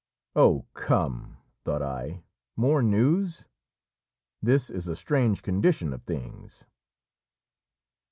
"Oh, come!" thought I, "more news! This is a strange condition of things."